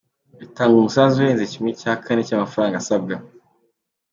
Itanga umusanzu urenze kimwe cya kane cy'amafaranga asabwa.